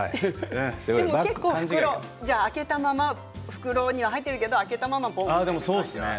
でも結構、袋開けたまま袋には入っているけどでも、そうですね。